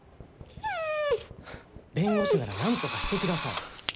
弁護士なら何とかしてください。